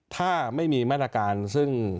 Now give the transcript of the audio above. ถ้าไม่มีมาตรการซึ่ง